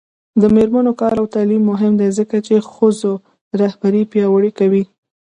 د میرمنو کار او تعلیم مهم دی ځکه چې ښځو رهبري پیاوړې کوي.